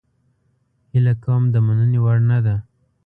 هیله کوم د مننې وړ نه ده